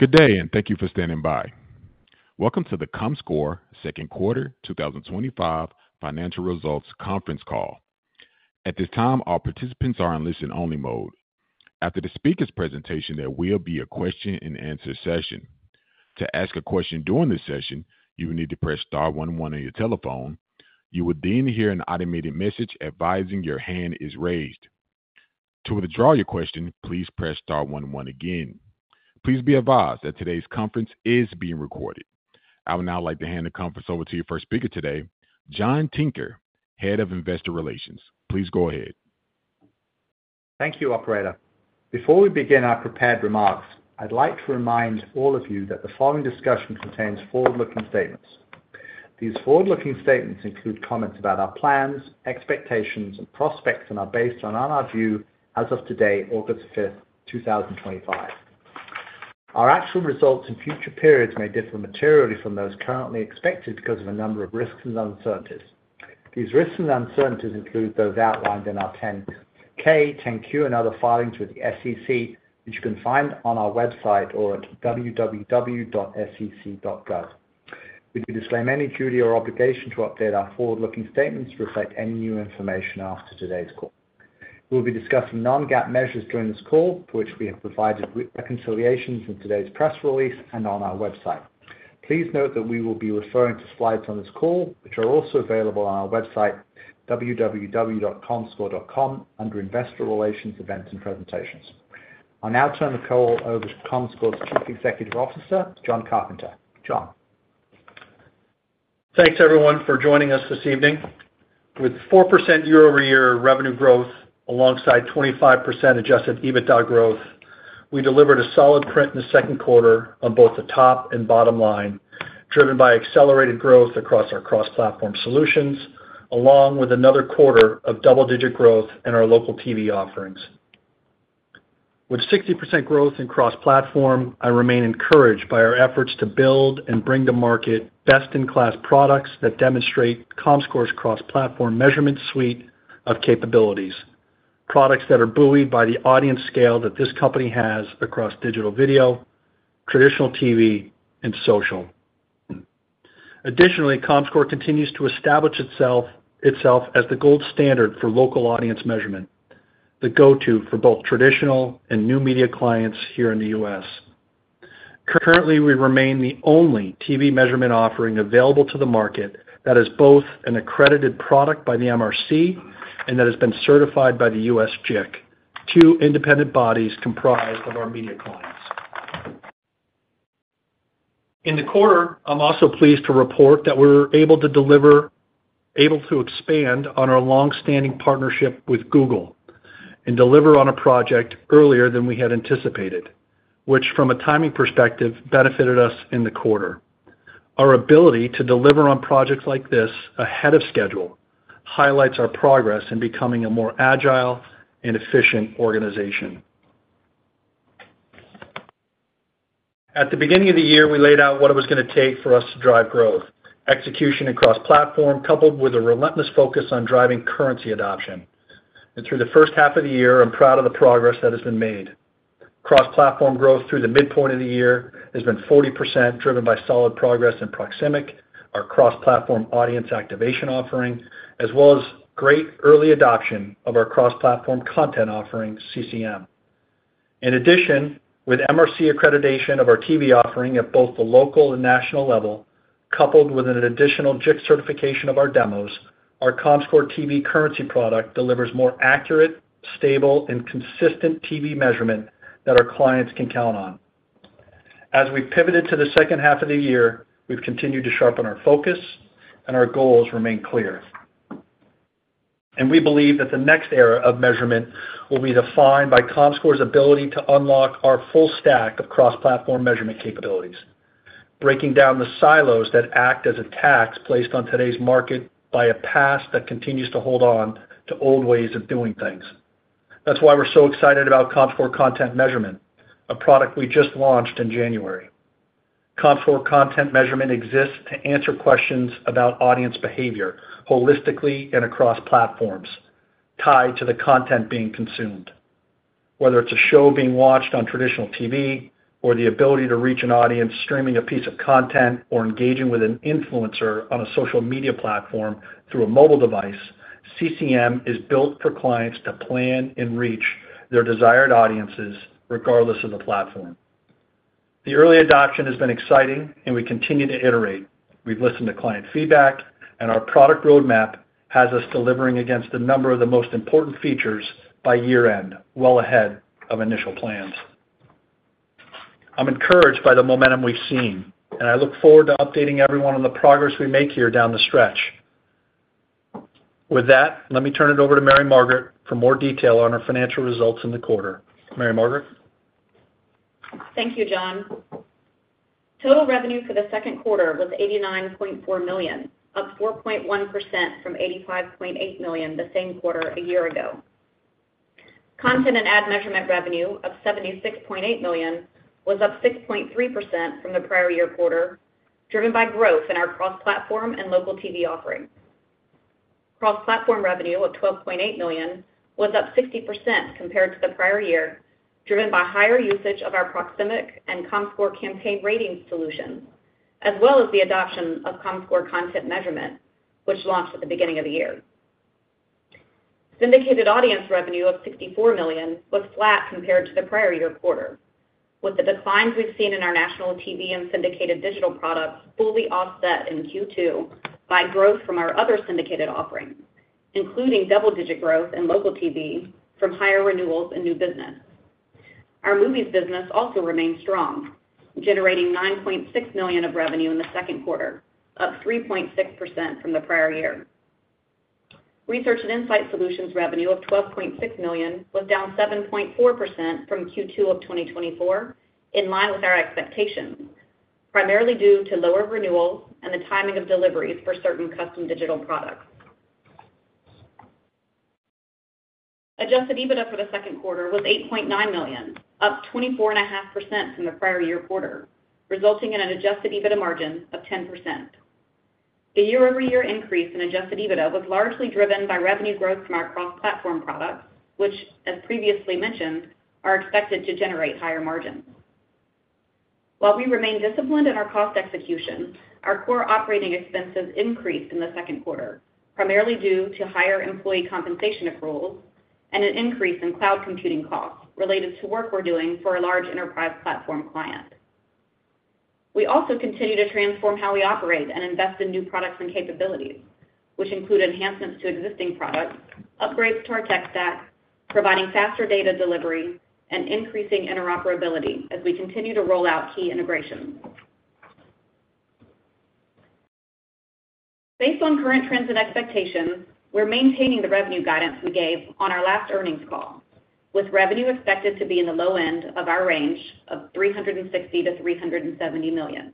Good day, and thank you for standing by. Welcome to the Comscore Second Quarter 2025 Financial Results Conference Call. At this time, all participants are in listen-only mode. After the speaker's presentation, there will be a question-and-answer session. To ask a question during this session, you will need to press star one one on your telephone. You will then hear an automated message advising your hand is raised. To withdraw your question, please press star one one again. Please be advised that today's conference is being recorded. I would now like to hand the conference over to your first speaker today, John Tinker, Head of Investor Relations. Please go ahead. Thank you, Operator. Before we begin our prepared remarks, I'd like to remind all of you that the following discussion contains forward-looking statements. These forward-looking statements include comments about our plans, expectations, and prospects, and are based on our view as of today, August 5th, 2025. Our actual results in future periods may differ materially from those currently expected because of a number of risks and uncertainties. These risks and uncertainties include those outlined in our [Form 10-K], [Form 10-Q], and other filings with the SEC, which you can find on our website or at www.sec.gov. We do this to claim any duty or obligation to update our forward-looking statements to reflect any new information after today's call. We'll be discussing non-GAAP measures during this call, for which we have provided reconciliations in today's press release and on our website. Please note that we will be referring to slides on this call, which are also available on our website, www.comscore.com, under Investor Relations Events and Presentations. I'll now turn the call over to Comscore's Chief Executive Officer, Jon Carpenter. Jon. Thanks, everyone, for joining us this evening. With 4% year-over-year revenue growth alongside 25% adjusted EBITDA growth, we delivered a solid print in the second quarter on both the top and bottom line, driven by accelerated growth across our cross-platform solutions, along with another quarter of double-digit growth in our local TV offerings. With 60% growth in cross-platform, I remain encouraged by our efforts to build and bring to market best-in-class products that demonstrate Comscore's cross-platform measurement suite of capabilities, products that are buoyed by the audience scale that this company has across digital video, traditional TV, and social. Additionally, Comscore continues to establish itself as the gold standard for local audience measurement, the go-to for both traditional and new media clients here in the U.S. Currently, we remain the only TV measurement offering available to the market that is both an accredited product by the MRC and that has been certified by the U.S. JIC, two independent bodies comprised of our media clients. In the quarter, I'm also pleased to report that we were able to expand on our longstanding partnership with Google and deliver on a project earlier than we had anticipated, which from a timing perspective benefited us in the quarter. Our ability to deliver on projects like this ahead of schedule highlights our progress in becoming a more agile and efficient organization. At the beginning of the year, we laid out what it was going to take for us to drive growth, execution across platform, coupled with a relentless focus on driving currency adoption. Through the first half of the year, I'm proud of the progress that has been made. Cross-platform growth through the midpoint of the year has been 40%, driven by solid progress in Proximic, our cross-platform audience activation offering, as well as great early adoption of our cross-platform content offering, [Comscore Content Measurement]. In addition, with MRC-accreditation of our TV offering at both the local and national level, coupled with an additional JIC certification of our demos, our Comscore TV currency product delivers more accurate, stable, and consistent TV measurement that our clients can count on. As we pivoted to the second half of the year, we've continued to sharpen our focus, and our goals remain clear. We believe that the next era of measurement will be defined by Comscore's ability to unlock our full stack of cross-platform measurement capabilities, breaking down the silos that act as a tax placed on today's market by a past that continues to hold on to old ways of doing things. That is why we're so excited about Comscore Content Measurement, a product we just launched in January. Comscore Content Measurement exists to answer questions about audience behavior holistically and across platforms, tied to the content being consumed. Whether it's a show being watched on traditional TV or the ability to reach an audience streaming a piece of content or engaging with an influencer on a social media platform through a mobile device, [Comscore Content Measurement] is built for clients to plan and reach their desired audiences regardless of the platform. The early adoption has been exciting, and we continue to iterate. We've listened to client feedback, and our product roadmap has us delivering against a number of the most important features by year-end, well ahead of initial plans. I'm encouraged by the momentum we've seen, and I look forward to updating everyone on the progress we make here down the stretch. With that, let me turn it over to Mary Margaret Curry for more detail on our financial results in the quarter. Mary Margaret. Thank you, John. Total revenue for the second quarter was $89.4 million, up 4.1% from $85.8 million the same quarter a year ago. Content and Ad Measurement revenue of $76.8 million was up 6.3% from the prior year quarter, driven by growth in our cross-platform and local TV offerings. Cross-platform revenue of $12.8 million was up 60% compared to the prior year, driven by higher usage of our Proximic and Comscore Campaign Ratings solution, as well as the adoption of Comscore Content Measurement, which launched at the beginning of the year. Syndicated audience revenue of $64 million was flat compared to the prior year quarter, with the declines we've seen in our national TV and syndicated digital products fully offset in Q2 by growth from our other syndicated offerings, including double-digit growth in local TV from higher renewals and new business. Our movies business also remains strong, generating $9.6 million of revenue in the second quarter, up 3.6% from the prior year. Research and Insight Solutions revenue of $12.6 million was down 7.4% from Q2 of 2024, in line with our expectations, primarily due to lower renewals and the timing of deliveries for certain custom digital products. Adjusted EBITDA for the second quarter was $8.9 million, up 24.5% from the prior year quarter, resulting in an adjusted EBITDA margin of 10%. A year-over-year increase in adjusted EBITDA was largely driven by revenue growth from our cross-platform products, which, as previously mentioned, are expected to generate higher margins. While we remain disciplined in our cost execution, our core operating expenses increased in the second quarter, primarily due to higher employee compensation approvals and an increase in cloud computing costs related to work we're doing for a large enterprise platform client. We also continue to transform how we operate and invest in new products and capabilities, which include enhancements to existing products, upgrades to our tech stack, providing faster data delivery, and increasing interoperability as we continue to roll out key integrations. Based on current trends and expectations, we're maintaining the revenue guidance we gave on our last earnings call, with revenue expected to be in the low end of our range of $360 million-$370 million.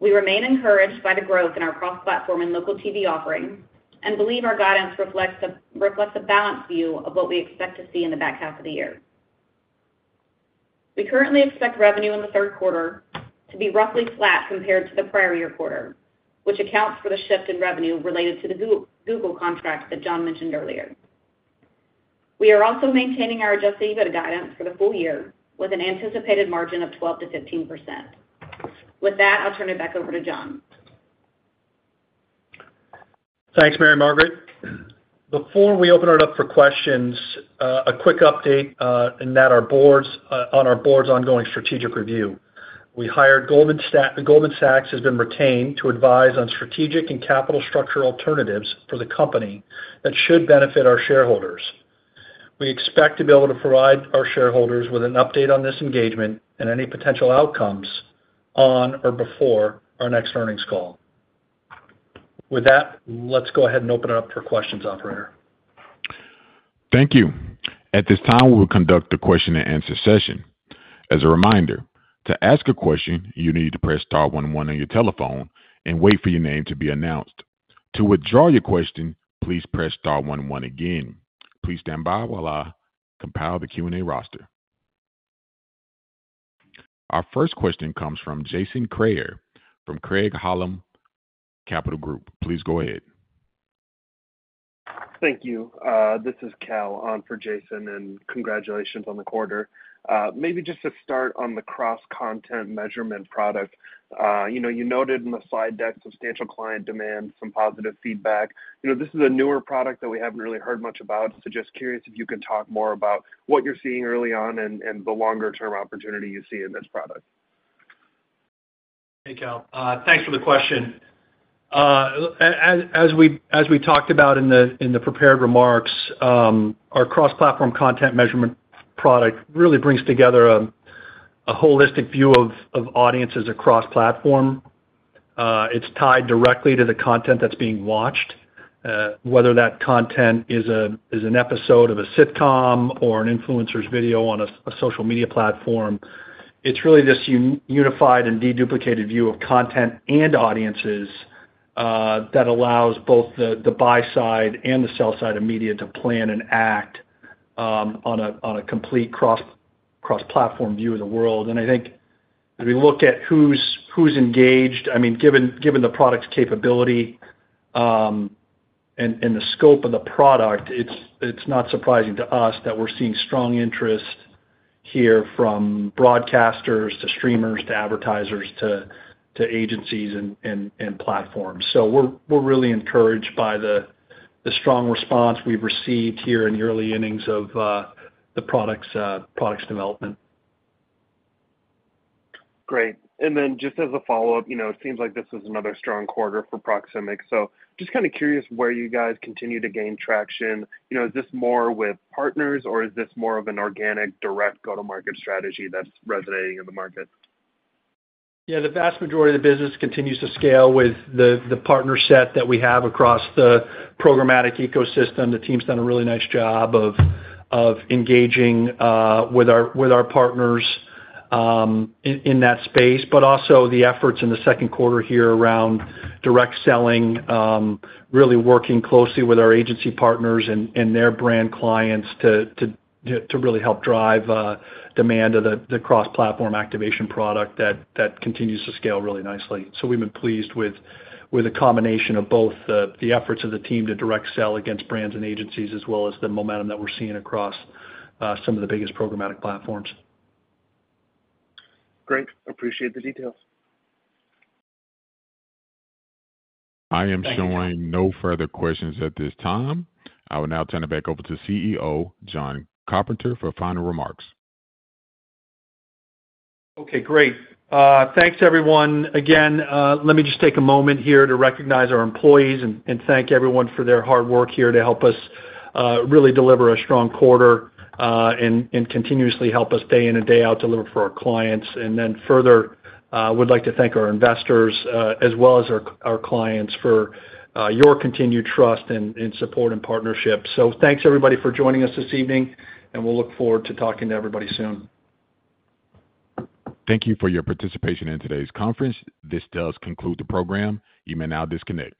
We remain encouraged by the growth in our cross-platform and local TV offerings and believe our guidance reflects a balanced view of what we expect to see in the back half of the year. We currently expect revenue in the third quarter to be roughly flat compared to the prior year quarter, which accounts for the shift in revenue related to the Google contract that John mentioned earlier. We are also maintaining our adjusted EBITDA guidance for the full year, with an anticipated margin of 12%-15%. With that, I'll turn it back over to John. Thanks, Mary Margaret. Before we open it up for questions, a quick update on our board's ongoing strategic review. We hired Goldman Sachs to advise on strategic and capital structure alternatives for the company that should benefit our shareholders. We expect to be able to provide our shareholders with an update on this engagement and any potential outcomes on or before our next earnings call. With that, let's go ahead and open it up for questions, Operator. Thank you. At this time, we will conduct the question-and-answer session. As a reminder, to ask a question, you need to press star one one on your telephone and wait for your name to be announced. To withdraw your question, please press star one one again. Please stand by while I compile the Q&A roster. Our first question comes from Jason Kreyer, from Craig-Hallum Capital Group. Please go ahead. Thank you. This is Cal on for Jason, and congratulations on the quarter. Maybe just to start on the cross-content measurement product, you noted in the slide deck substantial client demand, some positive feedback. This is a newer product that we haven't really heard much about. Just curious if you can talk more about what you're seeing early on and the longer-term opportunity you see in this product. Hey, Cal. Thanks for the question. As we talked about in the prepared remarks, our cross-platform content measurement product really brings together a holistic view of audiences across platform. It's tied directly to the content that's being watched, whether that content is an episode of a sitcom or an influencer's video on a social media platform. It's really this unified and deduplicated view of content and audiences that allows both the buy side and the sell side of media to plan and act on a complete cross-platform view of the world. I think as we look at who's engaged, given the product's capability and the scope of the product, it's not surprising to us that we're seeing strong interest here from broadcasters to streamers to advertisers to agencies and platforms. We're really encouraged by the strong response we've received here in the early innings of the product's development. Great. Just as a follow-up, it seems like this was another strong quarter for Proximic. I'm just kind of curious where you guys continue to gain traction. Is this more with partners, or is this more of an organic, direct go-to-market strategy that's resonating in the market? Yeah, the vast majority of the business continues to scale with the partner set that we have across the programmatic ecosystem. The team's done a really nice job of engaging with our partners in that space, but also the efforts in the second quarter here around direct selling, really working closely with our agency partners and their brand clients to really help drive demand of the cross-platform activation product that continues to scale really nicely. We have been pleased with the combination of both the efforts of the team to direct sell against brands and agencies, as well as the momentum that we're seeing across some of the biggest programmatic platforms. Great. I appreciate the details. I am showing no further questions at this time. I will now turn it back over to CEO Jon Carpenter for final remarks. Okay, great. Thanks, everyone. Let me just take a moment here to recognize our employees and thank everyone for their hard work here to help us really deliver a strong quarter and continuously help us day in and day out deliver for our clients. I would like to thank our investors, as well as our clients, for your continued trust and support and partnership. Thanks, everybody, for joining us this evening, and we'll look forward to talking to everybody soon. Thank you for your participation in today's conference. This does conclude the program. You may now disconnect.